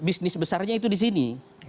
bisnis besarnya itu di sini